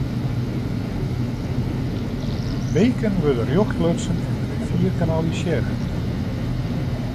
Beken wurde rjocht lutsen en de rivier kanalisearre.